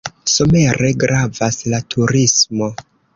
Somere gravas la turismo.